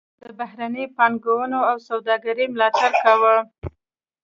د بهرنۍ پانګونې او سوداګرۍ ملاتړ کاوه.